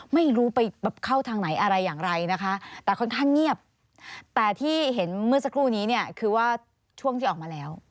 ไม่รู้ไปเข้าทางไหนอะไรอย่างไรนะคะแต่ค่อนข้างเงียบแต่ที่เห็นเมื่อสักครู่นี้เนี่ยคือว่าช่วงที่ออกมาแล้ว